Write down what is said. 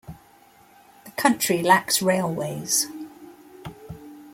The country lacks railways.